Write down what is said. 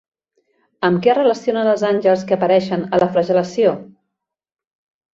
Amb què es relacionen els àngels que apareixen a la flagel·lació?